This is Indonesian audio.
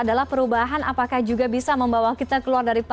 dibandingkan dengan yang lain ya ada gak tuh hitung hitungannya